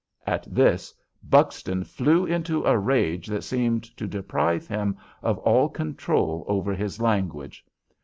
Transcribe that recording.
At this Buxton flew into a rage that seemed to deprive him of all control over his language.